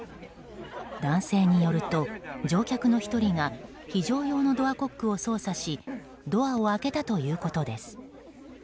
男性によると、乗客の１人が非常用のドアコックを操作しドアを開けたということです。